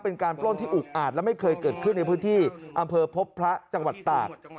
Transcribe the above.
เป็นการปล้นที่อุกอาจและไม่เคยเกิดขึ้นในพื้นที่อำเภอพบพระจังหวัดตาก